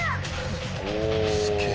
すげえ。